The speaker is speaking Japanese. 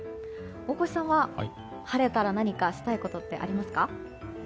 大越さんは晴れたら何かしたいことはありますか？